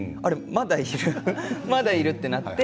まだいるまだいるってなって